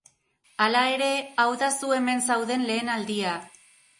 Hala ere, hau da zu hemen zauden lehen aldia.